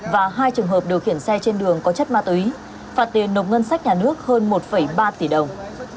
và hai trường hợp điều khiển xe trên đường có chất ma túy phạt tiền nộp ngân sách nhà nước hơn một ba tỷ đồng